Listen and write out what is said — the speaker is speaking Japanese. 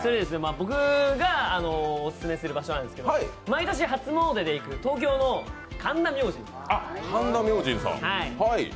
僕が、オススメする場所なんですけど毎年、初詣で行く、東京の神田明神さん。